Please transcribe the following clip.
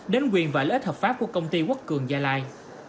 đến quyền và lợi ích hợp pháp của công ty quốc cường gia lai